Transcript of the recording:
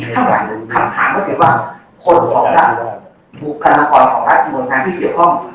คำถามเข้าใจว่าคนของรัฐบุคลากรของรัฐบนรัฐที่เกี่ยวข้อง